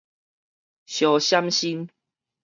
相閃身